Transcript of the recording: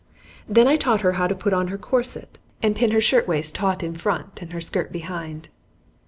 Then I taught her how to put on her corset and pin her shirt waist taut in front and her skirt behind.